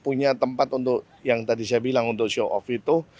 punya tempat untuk yang tadi saya bilang untuk show off itu